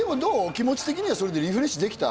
気持ち的にはそれでリフレッシュできた？